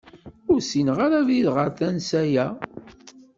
Ur ssineɣ ara abrid ɣer tansa-a.